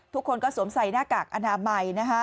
ทุกคนก็สวมใส่หน้ากากอนามัย